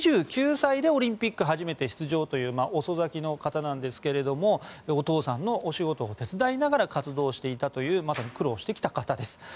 ２９歳でオリンピック初めて出場という遅咲きの方なんですがお父さんのお仕事を手伝いながら活動していたまさに苦労してきた方です。